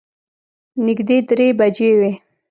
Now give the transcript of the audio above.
نږدې درې بجې وې.